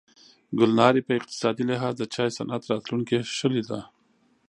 ګلنارې په اقتصادي لحاظ د چای صنعت راتلونکې ښه لیده.